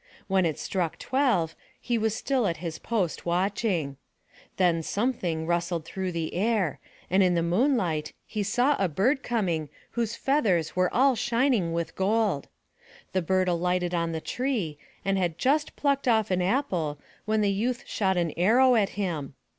When it struck twelve, he was still at his post watching. Then something rustled through the air, and in the moonlight he saw a bird coming whose feathers were all shining with gold. The bird alighted on the tree, and had just plucked off an apple, when the youth shot an arrow at him.